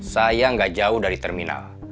saya nggak jauh dari terminal